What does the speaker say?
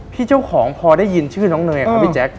พี่เจ้าของพอได้ยินชื่อน้องเนยครับพี่แจ๊ค